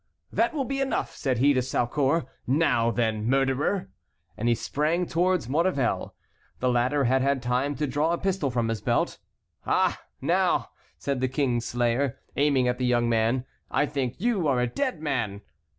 "That will be enough," said he to Saucourt. "Now, then, murderer!" And he sprang towards Maurevel. The latter had had time to draw a pistol from his belt. "Ah! now," said the King's Slayer, aiming at the young man, "I think you are a dead man!"